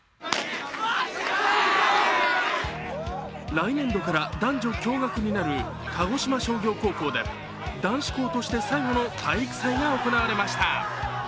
来年度から男女共学になる鹿児島商業高校で男子校として最後の体育祭が行われました。